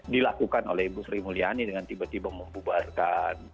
dilakukan oleh ibu sri mulyani dengan tiba tiba membubarkan